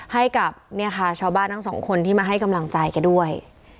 ให้กับเนี่ยค่ะชาวบ้านทั้งสองคนที่มาให้กำลังใจแกด้วย